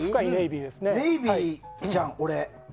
ネイビーじゃん、俺。